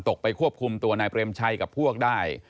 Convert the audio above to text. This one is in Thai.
ไปควบคุมตัวนายเปรมชัยกับพวกได้